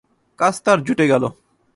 কাজ তার জুটে গেল।